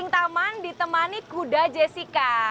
taman ditemani kuda jessica